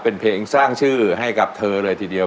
เป็นเพลงสร้างชื่อให้กับเธอเลยทีเดียว